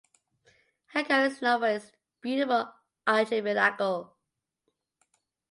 Hanko is known for its beautiful archipelago.